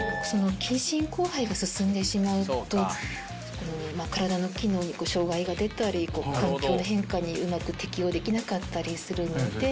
近親交配が進んでしまうと体の機能に障害が出たり環境の変化にうまく適応できなかったりするので。